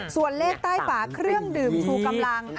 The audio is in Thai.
ส่วนเลขใต้ฝาเครื่องดื่มชูกำลัง